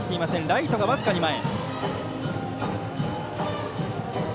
ライトが僅かに前。